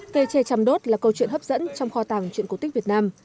cây tre chăm đốt là câu chuyện hấp dẫn trong kho tàng chuyện cổ tích việt nam